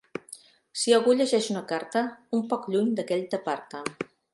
Si algú llegeix una carta, un poc lluny d'aquell t'aparta.